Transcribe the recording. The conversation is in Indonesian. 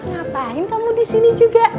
ngapain kamu disini juga